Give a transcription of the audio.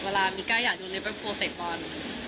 เวลามีก้าอยากดูเล็บเป็นโพลเตะบอล